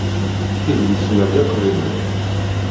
Idlisen-a d iqdimen.